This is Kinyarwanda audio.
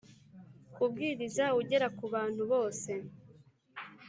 kubwiriza Ugera ku bantu bose